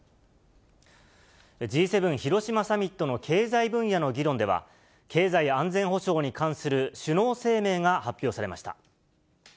Ｇ７広島サミットの経済分野の議論では、経済安全保障に関する首脳声明が発表されました。